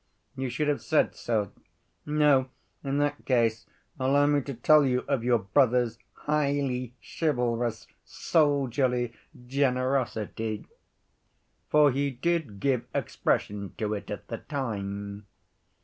You should have said so. No, in that case allow me to tell you of your brother's highly chivalrous soldierly generosity, for he did give expression to it at the time.